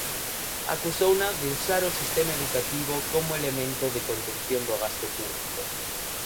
Acusouna de "usar o sistema educativo como elemento de contención do gasto público".